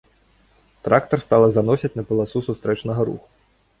Трактар стала заносіць на паласу сустрэчнага руху.